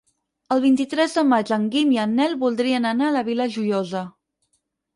El vint-i-tres de maig en Guim i en Nel voldrien anar a la Vila Joiosa.